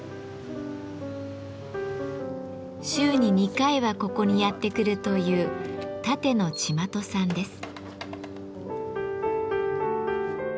週に２回はここにやって来るという立野千万人さんです。